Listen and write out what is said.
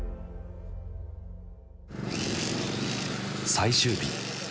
最終日。